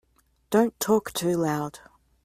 Don't talk too loud.